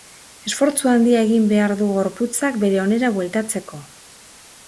Esfortzu handia egin behar du gorputzak bere onera bueltatzeko.